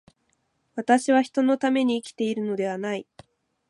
私は人のために生きているのではない。